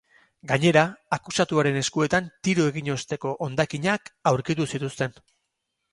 Gainera, akusatuaren eskuetan tiro egin osteko hondakinak aurkitu zituzten.